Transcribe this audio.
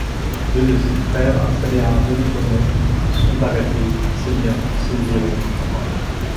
Deux de ses frères installés à Remiremont sont arrêtés, ses biens saisis et vendus.